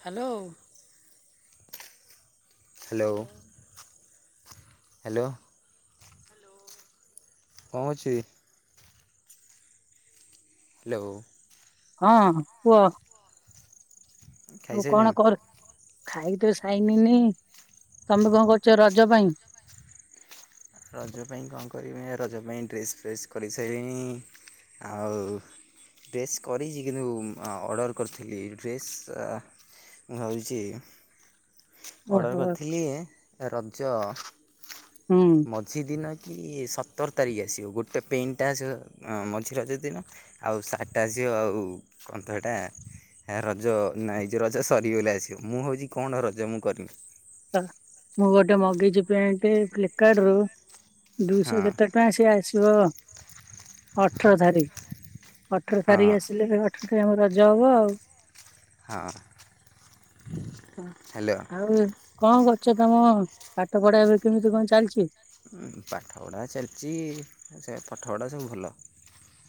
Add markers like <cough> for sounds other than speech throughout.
Hello. Hello hello. କଣ ଅଛି। Hello. ହଁ କୁହ। ଆଉ କଣ ଖାଇସାରିଲଣି? କର ଖାଇ ତ ସାଇନିନି ତମେ କଣ କରୁଛ ରଜ ପାଇଁ। ରଜ ପାଇଁ କଣ କରିବି ରଜ ପାଇଁ ଡ୍ରେସ୍ ଫ୍ରେସ୍ କରିସାରିଲିଣି। ଆଉ ଡ୍ରେସ୍ କରିଛି କିନ୍ତୁ ଅର୍ଡ଼ର କରିଥିଲି ଡ୍ରେସ୍। ମୁଁ ଭାବଛି ଅର୍ଡ଼ର ଓହୋ କରିଥିଲି ରଜ। ହୁଁ। ମଝି ଦିନ କି ସତର ତାରିଖ ଆସିବ ଗୋଟେ ପେନ୍ଟା ଆସିବ ମଝି ରଜ ଦିନ। ଆଉ ସାର୍ଟଟା ଆସିବ ଆଉ କନ୍ତ ହେଟ୍ଟା। ହେ ରଜ ନାଇଁ ଯେ ରଜ ସରିଗଲେ ଆସିବ ମୁଁ ହଉଛି କଣ ରଜ ମୁଁ କରମି। ହ ମୁଁ ଗୋଟେ ମଗିଚି ପ୍ୟାଣ୍ଟ ଫ୍ଲିପକାର୍ଟ ରୁ ଦୁଇଶହ ହଁ। କେତେ। ପସଏ ଆସିବ ଅଠର ତାରିଖ ଅଠର ହଁ ତାରିଖ ଆସିଲେଠ। ସେରେ ଆମ ରଜ ହବ ଆଉ। ହଁ ହ୍ୟାଲୋ। ଆଉ କଣ କରୁଛ ତମ ପାଠ ପଢା ଏବେ କେମିତି କଣ ଚାଲିଛି। ପାଠପଢ଼ା ଚାଲିଛି ସେ ପାଠପଢ଼ା ସବୁ ଭଲ।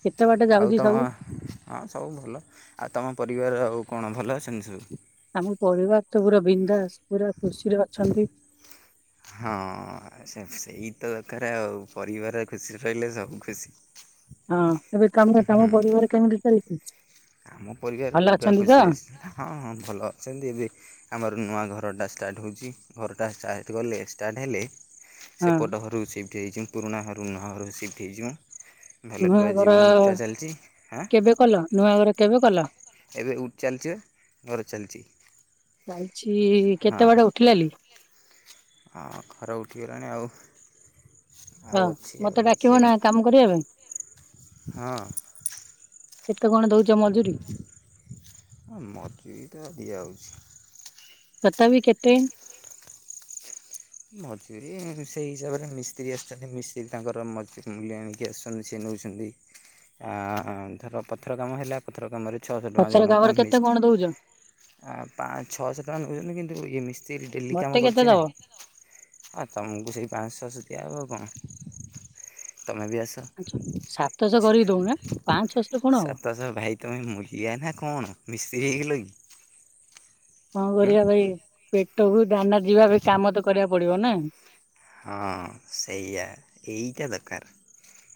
କେତେ ବାଟ ଆଉ ଯାଉଛି ତମ। ସବୁ ହଁ ସବୁ ଭଲ ଆଉ ତମ ପରିବାର ଆଉ କଣ ଭଲ ଅଛନ୍ତି ସବୁ। ଆମ ପରିବାର ତ ପୁରା ବିନ୍ଧାସ ପୁରା ଖୁସିରେ ଅଛନ୍ତି। ହଁ ସେମ୍ ସେଇ ତ ଦରକାର ଆଉ ପରିବାର ଖୁସିରେ ରହିଲେ ସବୁ ଖୁସି। ହଁ ଏବେ କାମ ତମ ପରିବାର କେମିତି ଚାଲିଛି? ଆମ ପରିବାର ଭଲ ପୁରା ଅଛନ୍ତି ତ ଖୁସିରେସି ହଁ ହଁ ଭଲ ଅଛନ୍ତି ଏବେ। ଆମର ନୂଆ ଘରଟା ଷ୍ଟାର୍ଟ ହେଉଛି ଘରଟା ଷ୍ଟାର୍ଟ କଲେ ଷ୍ଟାର୍ଟ ହେଲେ। ହଁ ସେ ପୋଟ ଘରୁ ସିଫ୍ଟ ହେଯିବ ପୁରୁଣା ହାରୁ ନୂହଁ ଘର ସିଫ୍ଟ ହେଇଯିବ। ନୂଆ ଭଲପଆ ଘର ଜୀବନଟା ଚାଲିଛି ହଁ। କେବେ କଲ ନୂଆ ଘର କେବେ କଲ? ଏବେ ଉଠ ଚାଲିଛି ବା ଘର ଚାଲିଛି। ଚାଲିଛି ହଁ କେତେବେଡେ ଉଠିଲା ଲି ହଁ ଖର ଉଠିଗଲାଣି ଆଉ। ହଁ ଆଉ ଅଛି ମତେ ଆଉ ଡାକିବ ବିଛି ଆଉ ନା କାମ କରିବା ପାଇଁ? ହ କେତେ କଣ ଦଉଛ ମଜୁରୀ? କ ମଜୁରିତ ଦିଆହଉଛି। କଥା ବିି କେତେ। ମଜୁରୀ ସେଇ ହିସାବରେ ମିସ୍ତ୍ରୀ ଆସିଛନ୍ତି ମିସ୍ତ୍ରୀ ତାଙ୍କର ମଜ ମୂଲ୍ୟ ଆ। କି ଆସୁଛନ୍ତି ସି ନେଉଛନ୍ତି ଆ ଧର ପଥର କାମ ହେଲା। ପଥର କାମରେ ଛଅଶହ ଟଙ୍କା ପଛର ଜଣ କାମରେ କା କେତେ କଣ ଦଉଛ? ମିିଶଥାଏ। ଆ ପା ଛଅଶହ ଟଙ୍କା ନେଉଛନ୍ତି କିନ୍ତୁ ଇଏ ମିସ୍ତ୍ରୀ ଡେଲି ମତେ କାମ କେତେ କରୁଛି ନା। ଦବ ହଁ ତମକୁ ସେଇ ପାଞ୍ଚଶଛଅଶ ଦିଆବ ଆଉ କଣ ତମେ ବି ଆସ। ଆଛ ସାତଶହ କରିକି ଦଉନା ପାଞ୍ଚ ଛଶହ ରେ କଣ ହବ। ତସ ଭାଇ। ତମେ ମୁଲିଆ ନା କଣ ମିସି ହେଇଗଲକି କଣ କରିବା ଭାଇ ପେଟକୁ ଦାନା ଯିବା ବି କାମ ତ କରିବାକୁ ପଡିବ ନା ହଁ ସେଇଆ ଏଇଟା ଦରକାର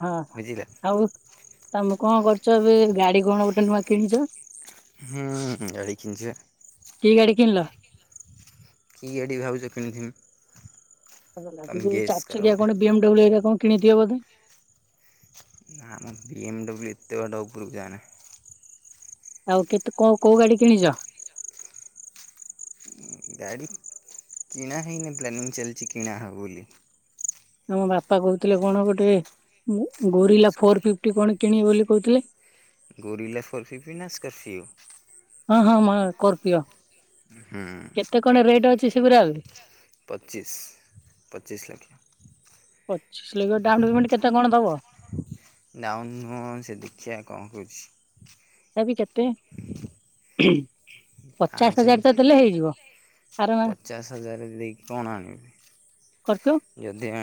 ହଁ ବୁଝିଲ। ଆଉ ତମେ କଣ କରୁଛ ଏବେ ଗାଡି କଣ ଗୋଟେ ନୂଆ କିଣିଛ? ହୁଁ ହୁ ଗାଡି କିଣିଛି ବା। କି ଗାଡ଼ି କିଣିଲ? କିଏଡ଼ି ଭାଉଜ କିଣିଥମି ମତେ ଲାଗୁଛି ଚାରି କର ଚକିଆ ଗୋଟେ। କଣ ବି ଏମ୍ ଡବ୍ଲୁ ହରିକା କଣ କିଣିିଥିବ ବଧେ ନାମଁ ବି ଏମ୍ ଡ ବ୍ଲୁଏତେ ବାଟ ଉପରକୁ ଯାଆନା ଆଉ କେତେ କ କୋଉ ଗାଡି କିଣିଛ? ଗାଡ଼ି କିଣା ହେଇନି ପ୍ଲାନିଂ ଚାଲିଛି କିଣାହବ ବୋଲି ଆମ ବାପା କହୁଥିଲେ କଣ ଗୋଟେ ମୁଁ ଗୋରିଲା ଫୋର ଫିଫ୍ଟି କଣ କିଣିବି ବୋଲି କହୁଥିଲେ ଗୋରିଲା ଫର ଫିିବି ନା ସ୍କଫିଉ ହଁ ହଁ ମା କରପିଓ ହୁ କଣ ରେଟ୍ ଅଛି ସେଉରା ଆହୁରି ପଚିଶ ପଚିଶ ଲଖ୍ୟା ପଚିସି ଲକ୍ଷ୍ୟା ଡାଉନ୍ <unintelligible> କେତେ କଣ ଦବ ନଉ ନୁହଁ ସେ ଦେଖିଆ କଣ କରୁଛି ତଥାବି କେତେ ପଚାଶ ପାଞ୍ଚ ହଜାର ତ ଦେଲେ ହେଇଯିବ ଆର ପଚାଶ ହଜାର ଦେଇକି କଣ ଆଣିବି? କରଛୁ ଯଦି ଏ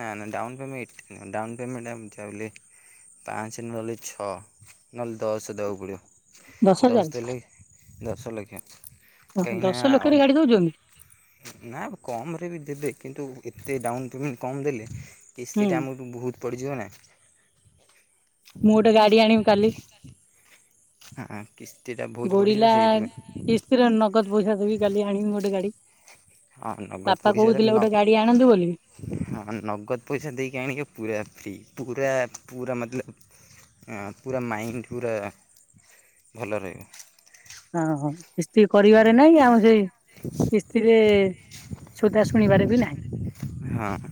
ନା ନା ଡାଉନ ପେମେଣ୍ଟ ଏଠି ନୁହେଁ ଡାଉନ୍ ପେମେଣ୍ଟମତି ବୋଲି ପାଞ୍ଚ ନହେଲେ ଛଅ ନହେଲେ ଦଶ ଦବାକୁ ପଡିବ ଦଶ ହଜାର ଦଶ ଲକ୍ଷ କାହିଁକି ନା ଦଶ ଲକ୍ଷରେ ଗାଡି ଦଉଛନ୍ତି ଅ ନା କମରେ ବି ଦେବେ କିନ୍ତୁ ଏତେ ଡାଉନ୍ ପେମେଣ୍ଟ କମ ଦେଲେ ହୁଁ କିସ୍ତିଟା ଆମକୁ ବହୁତ ପଡ଼ିଯିବ ନା ମୁଁ ଗୋଟେ ଗାଡି ଆଣିବି କାଲି ହଁ କିସ୍ତି ଟା ବହୁତ ପଡିିଯିବ ସେଇଥିପାଇଁ କତ ପଇସା ଦେବି କାଲି ଆଣିବି ଗୋଟେ ଗାଡି ହଁ ନଗଦ ବାପା ପଇସା କହୁଥିଲେ ନ ଗୋଟେ ଗାଡି ଆଣନ୍ତୁ ବୋଲି ହଁ ନଗଦ ପଇସା ଦେଇକି ଆଣିକି ପୁରା ଫ୍ରି ପୁରା ପୁରା ମ ଆଁ ପୁରା ମାଇଣ୍ଡ ପୁରା ଭଲ ରହିବ। ହଁ ହଁ କିସ୍ତି କରିବାରେ ନାଇଁ ଆମ ଜେଇ କି ସ୍ତିରେ ସୁଧା ଶୁଣିବାରେ ବି ନାହିଁ। ହଁ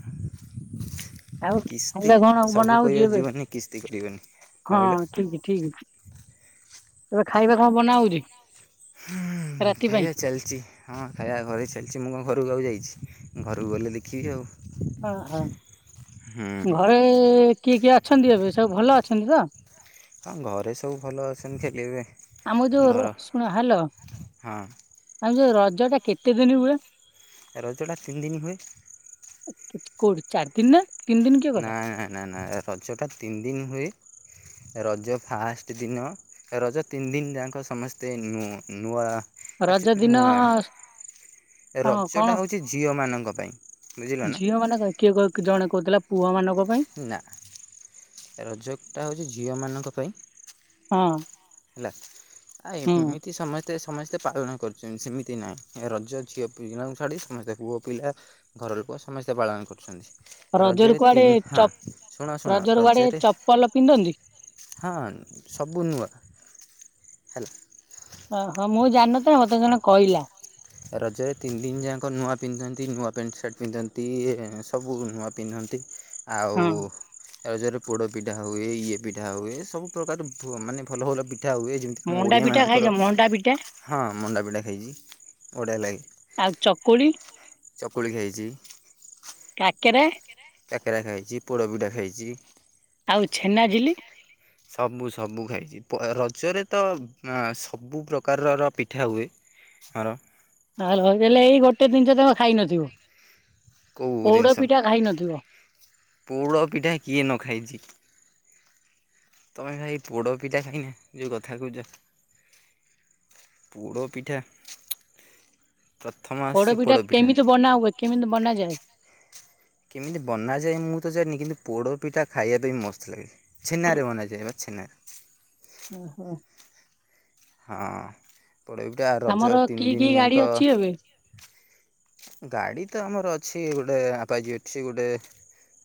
ଆଉ କିସ୍ତି ଖାଇବା କଣ ବନା ସବୁ ହଉଛି କହିର ଏବେ? ଯିବନି କିସ୍ତି କରିବନି। କ'ଣ ହଁ କହିଲ ଠିକ ଠିକ ଏବେ ଖାଇବା କଣ ବନା ହଉଛି? ରାତି ପାଇଁ? ଖାଇଆ ଚାଲିଛି। ହଁ ଖାଇବା ଘରେ ଚାଲିଛି ମୁଁ କଣ ଘରକୁ ଆଉ ଯାଇଛି ଘରକୁ ଗଲେ ଦେଖିବି ଆଉ। ଓହୋ ଘରେ କିଏ କିଏ ଅଛନ୍ତି ଏବେ ସବୁ ଭଲ ଅଛନ୍ତି ତ? ହଁ ଘରେ ସବୁ ଭଲ ଅଛନ୍ତି କେଲେବି ଆମ ଯୋଉ ର ଶୁଣ ହ୍ୟାଲୋ ହଁ ଆମ ଯୋଉ ରଜ ଟା କେତେ ଦିନ ହୁଏ? ରଜଟା ତିନ ଦିନ ହୁଏ। କିଛି କୋଉଠି ଚାରି ଦିନ ନା ତିନି ଦିନ କିଏ ନା କଲା? ନା ନା ନା ରଜଟା ତିନି ଦିନ ହୁଏ ରଜ ଫାଷ୍ଟ ଦିନ ରଜ ତିନି ଦିନ ଯାକ ସମସ୍ତେ ନୂ ନୂଆ ଆଛ ରଜ ଦିନ ହଁ ରଜ କଣ ଟା ହଉଛି ଝିଅ ମାନଙ୍କ ପାଇଁ। ବୁଝିଲ ନା ଝିଅ ମାନେ କିଏ ଜଣେ କହୁଥିଲା ପୁଅ ମାନଙ୍କ ପାଇଁ। ନା ରଜଟା ହେଉଛି ଝିଅମାନଙ୍କ ପାଇଁ। ହଁ ହେଲା ଆ ଏ ହୁଁ ଏମିତି ସମସ୍ତେ ମତେ ସମସ୍ତେ ପାଳନ କରୁଛନ୍ତି ସେମିତି ନାହିଁ ରଜ ଝିଅ ପିଲାଙ୍କୁ ଛାଡ଼ି ସମସ୍ତେ ପୁଅ ପିଲା ଘର ଲୋକ ସମସ୍ତେ ପାଳନ କରୁଛନ୍ତି। ରଜରେ କୁଆଡେ ତିନି ହଁ ଚ ଶୁଣ ଶୁଣ କୁଆଡେ ରଜରେ ଚପଲ ପିନ୍ଧନ୍ତି? ହଁ ସବୁ ନୂଆ। ହେଲା ଓହୋ ମୁଁ ଜାଣିନେଇତ ମତେ ଜଣେ କଇଲା। ରଜରେ ତିନି ଦିନ ଯାକ ନୂଆ ପିନ୍ଧନ୍ତି ନୂଆ ପ୍ୟାଣ୍ଟ୍ ସାର୍ଟ ପିନ୍ଧନ୍ତି ସବୁ ନୂଆ ପିନ୍ଧନ୍ତି ଆଉ ହଁ ରଜରେ ପୋଡ ପିଠା ହୁଏ ଇଏ ପିଠା ହୁଏ ସବୁ ପ୍ରକାର ମାନେ ଭଲ ଭଲ ପିଠା ହୁଏ ଯେମ ଆମ ମଣ୍ଡା ପିଠା ଖାଇଛ ଓଡ଼ିଆମାନଙ୍କର ମଣ୍ଡା ପିଠା? ହଁ ମଣ୍ଡାପିଠା ଖାଇଚି। ବଢିଆ ଲାଗେ ଆଉ ଚକୁଳି ଚକୁଳି ଖାଇଛି। କାକେରା କାକେରା ଖାଇଛି ପୋଡ଼ପିଠା ଖାଇଛି। ଆଉ ଛେନାଝିଲି ହ ସବୁ ସବୁ ଖାଇଛି ରଜରେ ତ ଆଁ ସବୁ ପ୍ରକାରର ପିଠା ହୁଏ। ସାର <unintelligible> ଏଇ ଗୋଟେ ଜିନିଷ ତମେ ଖାଇନଥିବ କୋଉ ଜିନିଷ ନଥିବ ପୋଢପିଠା କିଏ ନଖାଇଚି ତମେ ଭାଇ ଏଇ ପୋଡ ପିଠା ଖାଇନି ଯୋଉ କଥା କହୁଛ ପୋଡ଼ପିଠା ଚୁ ଚୁ ପୋଡପିଠା କେମିତି ବନାହୁଏ କେମିତି ବନାଯାଏ? କେମିତି ବନାଯାଏ ମୁଁ ତ ଜାଣିନି କିନ୍ତୁ ପୋଡ଼ପିଠା ଖାଇବାପାଇଁ ମସ୍ତ ଲାଗେ। ଛେନାରେ ବନାଯାଏ ବା ଛେନାରେ। ଓ ହୋ ହଁ ପୋଡପିଠା ତମର ରଜ ତିନି କି କି ଦିନ ଗାଡି ଯାକ ଅଛି ଏବେ ଗାଡି ତ ଆମର ଅଛି ଗୁଟେ ଆପାଜି ଅଛି। ଗୁଟେ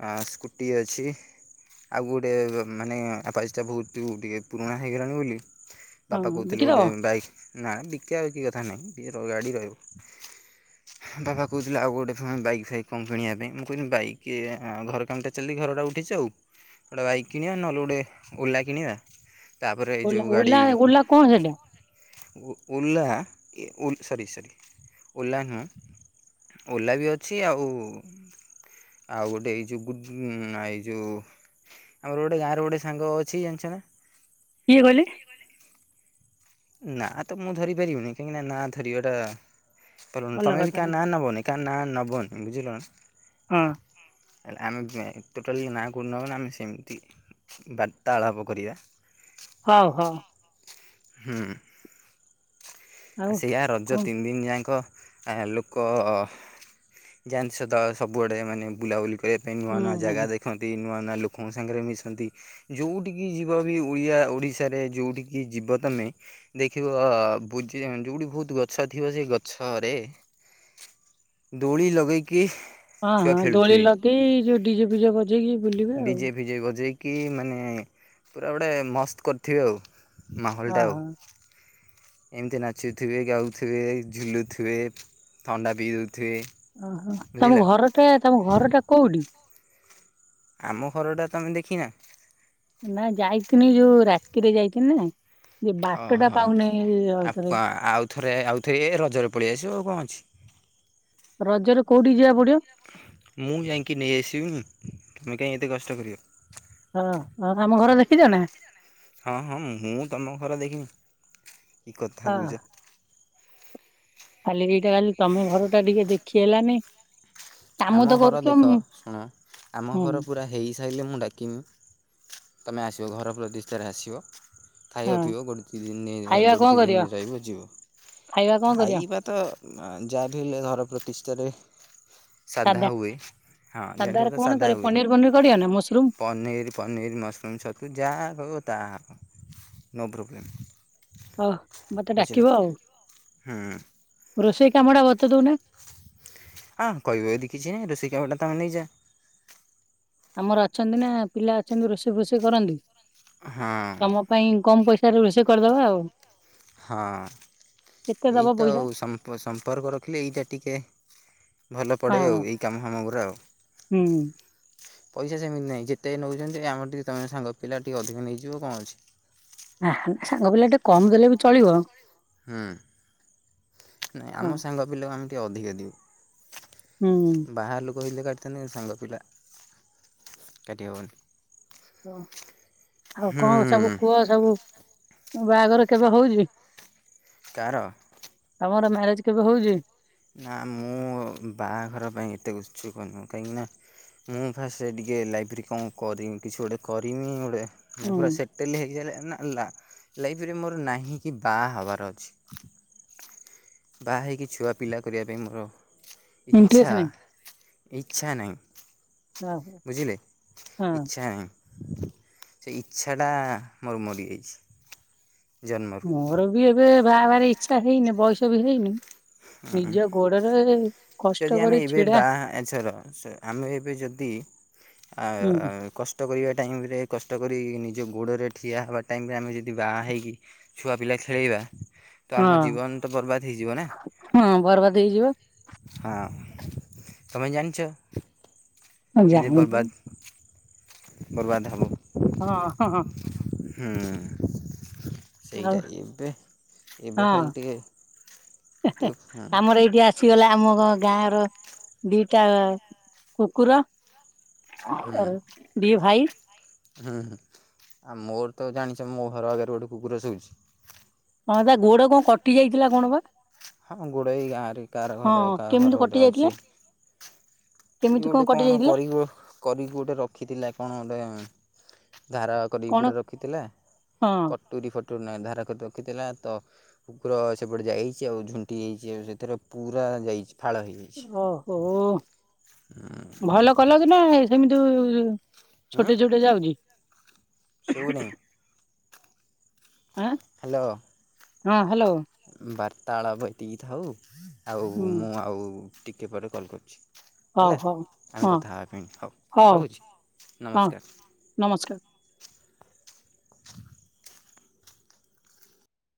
ଆ, ସ୍କୁଟି ଅଛି। ଆଉ ଗୁଟେ ମାନେ ଆପାଜି ଟା ବହୁତୁ ଟିକେ ପୁରୁଣା ହେଇଗଲାଣି ବୋଲି ହଁ ବାପା କହୁଥିଲେ ବିକିଦବ ଗୋଟେ ବାଇକ୍ ନା ବିକାବିକି କଥା ନାହିଁ ସିଏ ର- ଗାଡ଼ି ରଇବ। ବାପା କହୁଥିଲେ ଆଉ ଗୋଟେ ପୁଣି ବାଇକ୍ ଫାଇକ କଣ କିଣିବା ପାଇଁ। ମୁଁ କଇନି ବାଇକି ଆ, ଘର କାମଟା ଚାଲି ଘରଟା ଉଠିଛି ଆଉ, ଗୋଟେ ବାଇକ୍ କିଣିବା ନହେଲେ ଗୋଟେ ଓଲା କିଣିବା। ତାପରେ ଏ ଓଲା ଯୋଉ ଗାଡ଼ି ଓଲା ଓଲା କଣ ସେଟା ଉ, ଉଲା ଏ ଉ, ସରି ସରି ଓଲା ନୁହଁ। ଓଲା ବି ଅଛି ଆଉ ଆଉ ଗୋଟେ ଏଇ ଯୋଉ ଗୁଜୁ ଉଁ, ଆ, ଏଇ ଯୋଉ ଆମର ଗୋଟେ ଗାଁରେ ଗୋଟେ ସାଙ୍ଗ ଅଛି ଜାଣିଛନା? କିଏ କହିଲେ? ନାଁ ତ ମୁଁ ଧରି ପାରିବି ନାଇଁ। କାଇଁକିନା ନାଁ ଧରିବାଟା ଭଲ ନୁ, ତୋମେ ବି କା ନାଁ ନବନି। ତା ନାଁ ନବନି ବୁଝିଲନା। ହଁ। ହେଲେ ଆମେ ଯେ ଟୋଟାଲି ନାଁ କୁ ନବାନି ଆମେ ସେମିତି ବାର୍ତ୍ତାଳାପ କରିବା। ହଉ, ହଉ। ହୁଁ, ଆ, ଆଉ ସେଇଆା ରଜ କଣ ତିନି ଦିନ ଯାଙ୍କ ଆ, ଲୋକ ଯାଆନ୍ତି ସଦା ସବୁଆଡେ ମାନେ ବୁଲାବୁଲି କରିବା ପାଇଁ ନୂଆ ହୁଁ ନୂଆ ଜାଗା ହୁଁ ଦେଖନ୍ତି। ନୂଆ ନୂଆ ଲୋକଙ୍କ ସାଙ୍ଗରେ ମିଶନ୍ତି। ଯୋଉଠିକି ଯିବ ବି ଓଡିଆ ଓଡିଶାରେ ଯୋଉଠିକି ଯିବ ତୋମେ ଦେଖିବ ବୁଜି ଯୋଉଠି ବହୁତ ଗଛ ଥିବ ସେ ଗଛରେ ଦୋଳି ଲଗେଇକି ହଁ, ଛୁଆ ହଁ ଦୋଳି ଖେଳୁଥିବେ ଲଗେଇ ଯୋଉ ଡିଜେ ଫିଜେ ବଜ ଡିଜେ ଫିଜେ ବଜେଇ କି ମାନେ ପୁରା ଗୋଟେ ମସ୍ତ କରିଥିବେ ଆଉ। ମାହୋଲ ହଁ ଟା ଆଉ। ହଁ ଏମିତି ନାଚୁଥିବେ, ଗାଉଥିବେ, ଝୁଲୁଥିବେ, ଥଣ୍ଡା ପିଉଥିବେ। ଓହୋ, ତୋମ ଘରଟା, ତୋମ ଘରଟା କୋଉଟି? ଆମ ଘରଟା ତୋମେ ଦେଖି ନା? ନା ଯାଇଥିନି ଯୋଉ ରାତିରେ ଯାଇଥିନି ନା ଯେ ବାଟ ଟା ଓହୋ ପାଉନି ଆଉଥରେ। ଆଉ ଥରେ ଆଉଥରେ ଏ ରଜରେ ପଳେଇ ଆସିବ ଆଉ କଣ ଅଛି। ରଜରେ କୋଉଠିକି ଯିବାକୁ ପଡିବ? ମୁଁ ଯାଇକି ନେଇଆସିବି। ତୁମେ କାଇଁ ଏତେ କଷ୍ଟ କରିବ। ହଁ ନନେ ଆମ ଘର ଦେଖିଚ ନା? ହଁ, ହଁ ମୁଁ ତୋମ ଘର ଦେଖିନି କି କଥା ହଁ କହୁଚ। ଖାଲି ଏଇଟା ଖାଲି ତୋମ ଘର ଟା ଟିକେ ଦେଖି ହେଲାନି। କାମ ଆମ ତ ଘର କରୁଛ ଦେଖ ହୁଁ ଶୁଣ ଆମ ହୁଁ, ଘର ପୁରା ହେଇସାଇଲେ ମୁଁ ଡାକିମି। ତୋମେ ଆସିବ ଘର ପ୍ରଦିଷ୍ଠାରେ ଆସିବ। ହଁ ଖାଇବ ପିିଇବ ଗୋଟ ଦି ଦିନେ ଏ ଖାଇବା ଗୋଟେ କଣ ଦି କରିବ ଦିନି ରହିବ ଯିବ। ଖାଇବା କଣ କରିବ? ଖାଇବା ତ ଅଆଁ, ଯା ବି ହେଲେ ଘର ପ୍ରତିଷ୍ଠାରେ ସାଧା ହୁଏ। ହଁ ଜାଣିଥିବ ସାଧାରେ ତ କଣ ସାଧା କରିବ ହୁଏ। ପନିର ଫନିର କରିବ ନା ମସରୁମ ପନିର୍ ପନିର୍, ମସରୁମ୍, ଛତୁ ଯାହା କହିବ ତାହା ହେବ ନୋ ପ୍ରୋବ୍ଲେମ୍। ଓହୋ! ମୋତେ ବୁଝିଲେ। ଡାକିବ ଆଉ, ହୁଁ ରୋଷେଇ କାମ ଟା ମୋତେ ଦଉନା। ହଁ କହିବ ଯଦି କିଛି ନାହିଁ ରୋଷେଇ କାମଟା ତୋମେ ନେଇଯା। ଆମର ଅଛନ୍ତି ନା ପିଲା ଅଛନ୍ତି ରୋଷେଇ ଫୋଷେଇ କରନ୍ତି। ହଁ। ତମ ପାଇଁ କମ ପଇସାରେ ରୋଷେଇ କରିଦବା ଆଉ। ହଁ କେତେ ଏଇ ଦବ ତ ପଇସା ଆଉ ସମ୍ପ ସମ୍ପର୍କ ରଖିଲେ ଏଇଟା ଟିକେ ଭଲ ହଁ ପଡ଼େ ହଁ। ଆଉ, ଏଇ କାମ ଫାମ ଗୁରାକ। ହୁଁ ପଇସା ସେମିତି ନାହିଁ ଯେତେ ନେଉଚନ୍ତି ଆମର ଟିକେ ତମେ ସାଙ୍ଗ ପିଲା ଟିକେ ଅଧିକ ନେଇଯିବ କଁ ଅଛି। ଆଃ ସାଙ୍ଗ ପିଲାଟେ କମ୍ ଦେଲେ ବି ଚଳିବ। ହୁଁ ନାଇଁ ଆମ ହଁ ସାଙ୍ଗ ପିଲା ଆମେ ଟିକେ ଅଧିକା ଦୋଉ। ହୁଁ। ବାହାର୍ ଲୋକ ହେଇଥିଲେ କାଟିଥାନ୍ତି ସାଙ୍ଗ ପିଲା କାଟି ହବନି। ଓ ଆଉ କଁ ସବୁ ହୁଁ କୁହ ସବୁ ବାହାଘର କେବେ ହୋଉଚି? କାହାର? ତମର ମ୍ୟାରେଜ୍ କେବେ ହଉଚି? ନା ମୁଁ ବାହାଘର ପାଇଁ ଏତେ ଉତ୍ସୁକ ନୁହଁ କାହିଁକି ନା ମୁଁ ଫାଷ୍ଟ୍ ଟିକେ ଲାଇଫିରେ କଁ କରିମି କିଛି ଗୋଟେ କରିମି ଗୋଟେ। ମୁଁ ହୁଁ ପୁରା ସେଟେଲ୍ ହେଇସଲେ ନା ଲା ଲାଇଫିରେ ମୋର ନାହିଁ କି ବା ହବାର ଅଛି। ବା ହେଇକି ଛୁଆ ପିଲା କରିବା ପାଇଁ ମୋର ଇଚ୍ଛା ଇଣ୍ଟରେଷ୍ଟ ଇଚ୍ଛା ନାହିଁ। ନାହିଁ ବୁଝିଲେ ହଁ। ଇଛା ହିଁ ସେ ଇଚ୍ଛାଟା ମୋର ମରିଯାଇଚି ଜନ୍ମ ମୋର ବି ଏବେ ବାହା ହେବାରେ ଇଛା ହେଇନି ବୟସ ବି ହେଇନି ନିଜ ଗୋଡରେ କଷ୍ଟ ଯଦି ଆମେ କରି ଏବେ ଛିଡା ବାହା ଆଛାର ଆମେ ଏବେ ଯୋଦି ଆ ହୁଁ କଷ୍ ଟ କରିବା ଟାଇମ୍ ରେ କଷ୍ଟ କରି ନିଜ ଗୋଡ଼ରେ ଠିଆ ହେବା ଟାଇମ୍ ରେ ଆମେ ଯଦି ବା ହେଇକି ଛୁଆ ପିଲା ଖେଳେଇବା ତ ହଁ ଆମ ଜୀବନ୍ ତ ବର୍ବାଦ ହେଇଯିବ ନା। ହଁ ବର୍ବାଦ୍ ହେଇଯିବ। ହଁ ତମେ ଜାଣଚ? ଏମିତି ଜାଣିଛି ବର୍ବାଦ ବର୍ବାଦ ହେବ। ହଁ ହଁ ହଁ। ହୁଁ। ଆଉ ସେଇଟା ଏବେ ଏବେ ହଁ ଖାଲି ଟିକେ ସେ ହେ ଟିକେ ହୁଁ ଆମର ଏଇଠି ଆ ସିଗଲା ଆମ ଘ ଗାଁ ର ଦିଟା କୁକୁର। ହୁଁ ଦି ଭାଇ ହୁଁ ହୁଁ ଆଉ ମୋର ତ ଜାଣିଚ ମୋ ଘର ଆଗରେ ଗୋଟେ କୁକୁର ଶୋଉଛି। ହଁ ତା ଗୋଡ କଁ କଟି ଯାଇଥିଲା କଣ ପା? ହଁ ଗୋଡ଼େ ଏ ଗାଁରେ କାହାର ଘର କାହା କେମିତି ଘର କଟି ଗୋଟେ ଯାଇଥିଲା ଅଛି। କି କେମିତି ଗୋଟେ କଟି କଣ ଯାଇଥିଲା କରିକି ଓ କରିକି ଗୋଟେ ରଖିଥିଲା କଣ ଗୋଟେ ଧାର କ କରିକି କଣ ପୁରା ରଖିଥିଲା ହଁ କଟୁରୀ ଫଟୁରୀ ନାଇ ଧାର କରି ରଖିଥିଲା ତ କୁକୁର ସେପଟେ ଯାଇଚି ଆଉ ଝୁଣ୍ଟି ହେଇଚି ଆଉ ସେଥିରେ ପୁରା ଯାଇଚି ଫାଳ ହେଇ। ଓହୋ, ଭଲ କଲ କି ନା ସେମିତି ଛୋଟଇ ଛୋ ଏ ଯାଉଚି। ଶୋଉନେଇ। ଆଁ ହେଲୋ ହଁ ହ୍ୟାଲୋ ବାର୍ତ୍ତାଳ ବ ଏତିକି ଥାଉ। ଆଉ ହୁଁ ମୁଁ ଆଉ ଟିକେ ପରେ କଲ୍ କରୁଚି। ହଉ ହେଲା ହଉ ଆମେ ହଁ କଥା ହବା ପାଇଁ ହୋଉ ରହୁଛି ନମସ୍କାର୍। ନମସ୍କା